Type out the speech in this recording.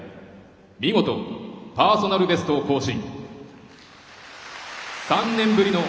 見事、パーソナルベストを更新。